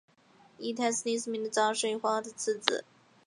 李泰是李世民与长孙皇后的次子。